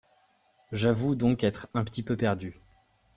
J’avoue donc être un petit peu perdu.